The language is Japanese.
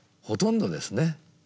ほとんどですね。